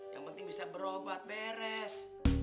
yang penting bisa berobat beres